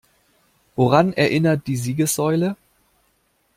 Woran erinnert die Siegessäule?